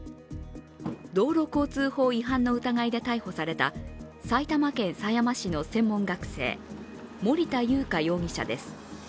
道路交通法違反の疑いで逮捕された埼玉県狭山市の専門学生森田祐加容疑者です。